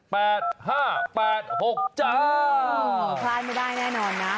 คล้ายไม่ได้แน่นอนนะ